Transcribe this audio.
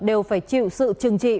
đều phải chịu sự trừng trị